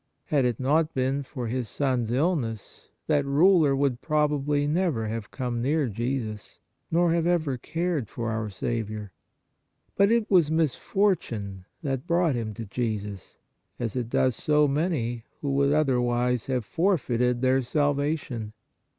Had it not been for his son s illness, that ruler would probably never have come near Jesus, nor have ever cared for our Saviour. But it was mis fortune that brought him to Jesus, as it does so many who would otherwise have forfeited their salvation.